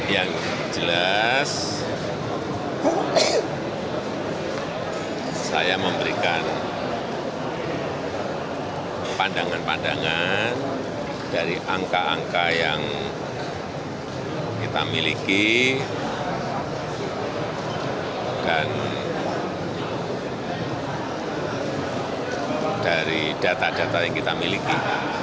yang jelas saya memberikan pandangan pandangan dari angka angka yang kita miliki dan dari data data yang kita miliki